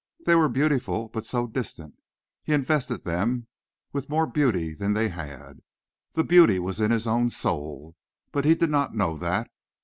They were beautiful but so distant. He invested them with more beauty than they had; the beauty was in his own soul. But he did not know that.